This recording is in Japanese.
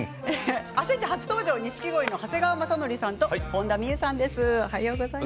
「あさイチ」初登場錦鯉の長谷川雅紀さんと本田望結さんです。